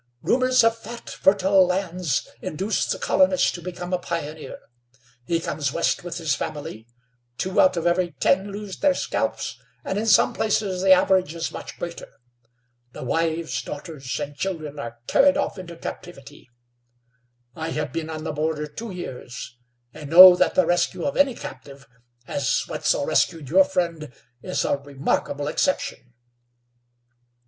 Rumors of fat, fertile lands induce the colonist to become a pioneer. He comes west with his family; two out of every ten lose their scalps, and in some places the average is much greater. The wives, daughters and children are carried off into captivity. I have been on the border two years, and know that the rescue of any captive, as Wetzel rescued your friend, is a remarkable exception."